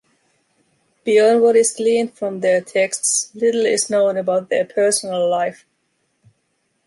Beyond what is gleaned from their texts, little is known about their personal life.